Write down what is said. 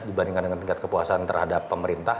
dibandingkan dengan tingkat kepuasan terhadap pemerintah